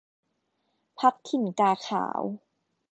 พรรคถิ่นกาขาว